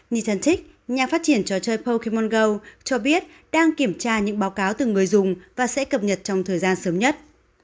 nytantic nhà phát triển trò chơi pokemon go cho biết đang kiểm tra những báo cáo từ người dùng và sẽ cập nhật trong thời gian sớm nhất